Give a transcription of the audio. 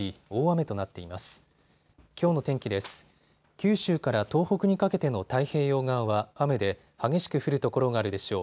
九州から東北にかけての太平洋側は雨で激しく降る所があるでしょう。